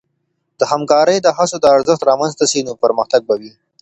د همکارۍ د هڅو د ارزښت رامنځته سي، نو پرمختګ به وي.